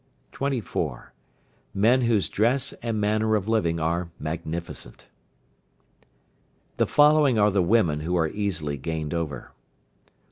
24. Men whose dress and manner of living are magnificent. The following are the women who are easily gained over.